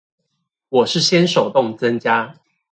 我是先手動增加